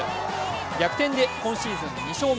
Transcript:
逆転で今シーズン２勝目。